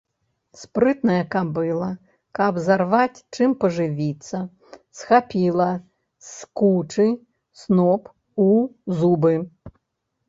Спрытная кабыла, каб зарваць чым пажывіцца, схапіла з кучы сноп у зубы.